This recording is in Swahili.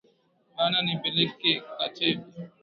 Bana nipeleka katebi